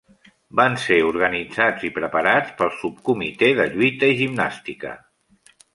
Van ser organitzats i preparats pel Subcomitè de Lluita i Gimnàstica.